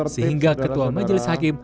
sehingga ketua majelis hakim